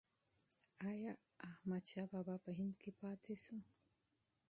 ایا احمدشاه بابا په هند کې پاتې شو؟